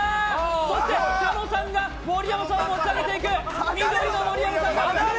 そして狩野さんが盛山さんを持ち上げていく！